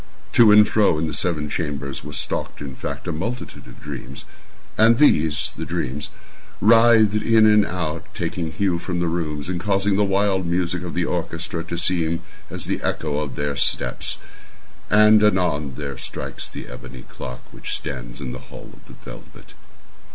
To and fro in the seven chambers there stalked, in fact, a multitude of dreams. And these—the dreams—writhed in and about, taking hue from the rooms, and causing the wild music of the orchestra to seem as the echo of their steps. And, anon, there strikes the ebony clock which stands in the hall of the velvet.